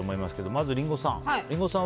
まず、リンゴさん